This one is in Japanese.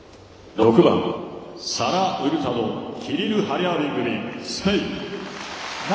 ６番サラ・ウルタドキリル・ハリャービン組スペイン。